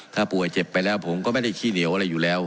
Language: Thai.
ถ้าป่วยเจ็บไปแล้วผมก็ไม่ได้ขี้เหนียวอะไรอยู่แล้ว